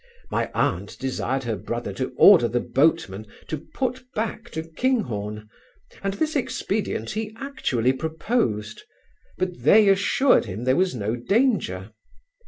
My aunt desired her brother to order the boatmen, to put back to Kinghorn, and this expedient he actually proposed; but they assured him there was no danger.